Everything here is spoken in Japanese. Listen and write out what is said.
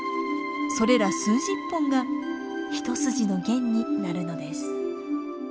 それら数十本がひと筋の弦になるのです。